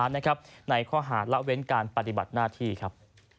ในข้อหาละเว้นการปฏิบัติหน้าที่ครับ